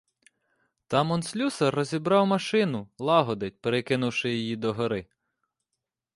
Там он слюсар розібрав машину, лагодить, перекинувши її догори.